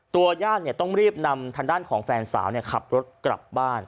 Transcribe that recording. ญาติต้องรีบนำทางด้านของแฟนสาวขับรถกลับบ้าน